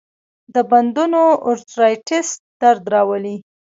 د بندونو ارترایټس درد راولي.